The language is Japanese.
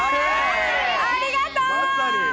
ありがとう！